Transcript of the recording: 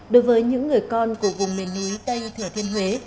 đối với những người con của vùng miền núi tây thừa thiên huế